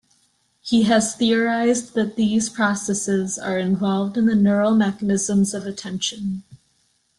He has theorized that these processes are involved in the neural mechanisms of attention.